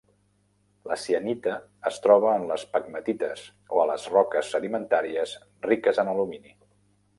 La cianita es troba en les pegmatites o a les roques sedimentàries riques en alumini.